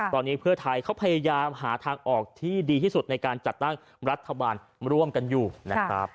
ตอนนี้เพื่อไทยเขาพยายามหาทางออกที่ดีที่สุดในการจัดตั้งรัฐบาลร่วมกันอยู่นะครับ